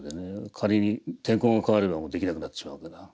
仮に天候が変わればもうできなくなってしまうわけだ。